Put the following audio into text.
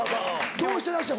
どうしてらっしゃる？